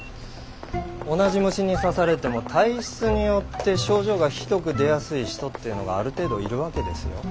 同じ虫に刺されても体質によって症状がひどく出やすい人っていうのがある程度いるわけですよ。